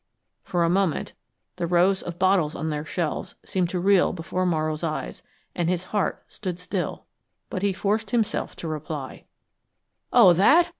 For a moment the rows of bottles on their shelves seemed to reel before Morrow's eyes, and his heart stood still, but he forced himself to reply: "Oh, that?